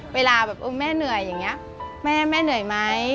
เวลาแบบแม่เหนื่อยอย่างนี้แม่เหนื่อยไหม